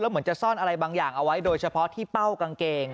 เหมือนจะซ่อนอะไรบางอย่างเอาไว้โดยเฉพาะที่เป้ากางเกง